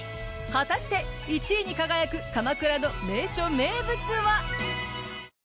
果たして、１位に輝く鎌倉の名所名物は？